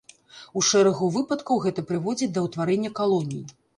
У шэрагу выпадкаў гэта прыводзіць да ўтварэння калоній.